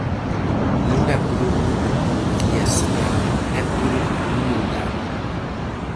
Non é por orgullo polo que é severa, é por humildade.